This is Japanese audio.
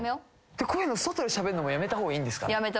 こういうの外でしゃべるのもやめた方がいいんですか？